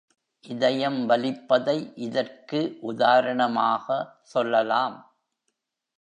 இதயம் வலிப்பதை இதற்கு உதாரணமாக சொல்லலாம்.